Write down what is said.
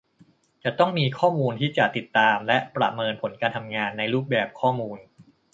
จะต้องมีข้อมูลที่จะติดตามและประเมินผลการทำงาน ในรูปแบบข้อมูล